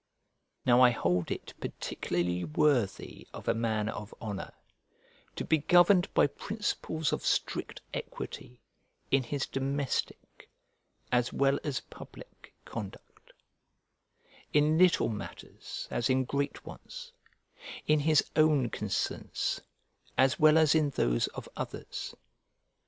Now I hold it particularly worthy of a man of honour to be governed by principles of strict equity in his domestic as well as public conduct; in little matters as in great ones; in his own concerns as well as in those of others.